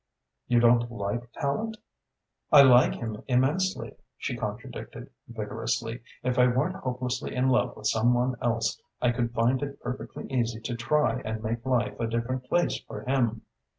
"You don't like Tallente?" "I like him immensely," she contradicted vigorously. "If I weren't hopelessly in love with some one else, I could find it perfectly easy to try and make life a different place for him."